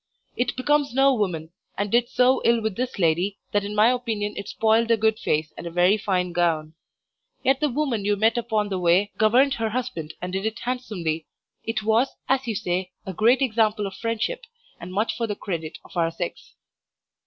It becomes no woman, and did so ill with this lady that in my opinion it spoiled a good face and a very fine gown. Yet the woman you met upon the way governed her husband and did it handsomely. It was, as you say, a great example of friendship, and much for the credit of our sex.